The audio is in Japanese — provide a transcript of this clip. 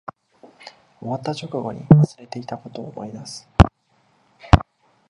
終わった直後に忘れていたことを思い出す